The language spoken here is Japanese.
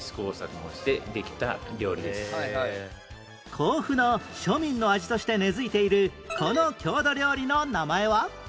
甲府の庶民の味として根付いているこの郷土料理の名前は？